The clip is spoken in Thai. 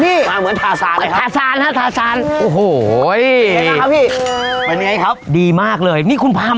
นี่มันเหมือนทาซานนะครับทาซานฮะทาซาน